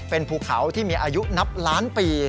เป็นภูเขาที่มีอายุนับล้านปี